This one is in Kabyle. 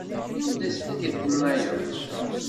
Ɛiwed-as tikkelt-nnayeḍ.